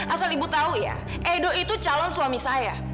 asal ibu tahu ya edo itu calon suami saya